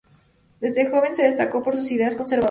Desde joven, se destacó por sus ideas conservadoras.